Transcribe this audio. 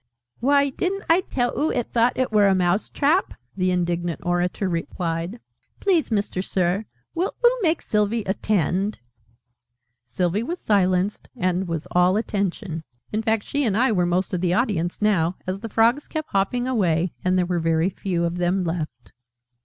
"Why, didn't I tell oo it thought it were a Mouse trap?" the indignant orator replied. "Please, Mister Sir, will oo make Sylvie attend?" Sylvie was silenced, and was all attention: in fact, she and I were most of the audience now, as the Frogs kept hopping away, and there were very few of them left.